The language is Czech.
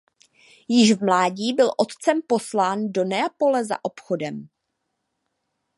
Již v mládí byl otcem poslán do Neapole za obchodem.